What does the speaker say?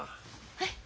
はい。